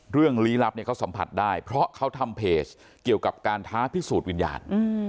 ลี้ลับเนี่ยเขาสัมผัสได้เพราะเขาทำเพจเกี่ยวกับการท้าพิสูจน์วิญญาณ